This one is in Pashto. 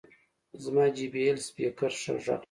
زما جې بي ایل سپیکر ښه غږ لري.